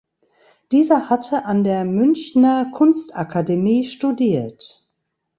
Dieser hatte an der Münchner Kunstakademie studiert.